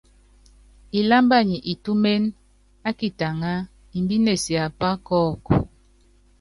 Ilámba nyi itúméne ákitaŋá, imbíne siápá kɔ́ɔku.